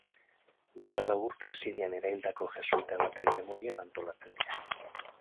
Duela lau urte sirian eraildako jesuita baten memorian antolatzen dira.